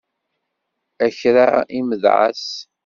A kra n imedεas!